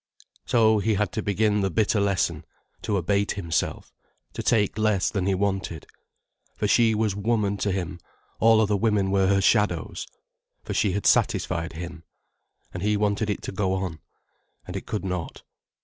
So he had to begin the bitter lesson, to abate himself, to take less than he wanted. For she was Woman to him, all other women were her shadows. For she had satisfied him. And he wanted it to go on. And it could not.